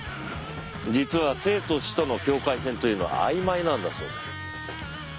実は生と死との境界線というのはあいまいなんだそうです。